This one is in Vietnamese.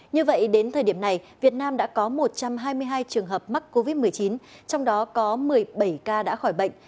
như vậy đến thời điểm này việt nam đã có một trăm hai mươi hai trường hợp mắc covid một mươi chín trong đó có một mươi bảy ca đã khỏi bệnh